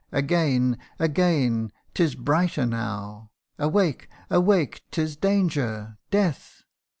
Again again 'tis brighter now Awake ! awake ! 'tis danger death